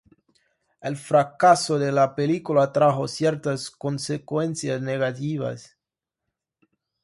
El fracaso de la película trajo ciertas consecuencias negativas.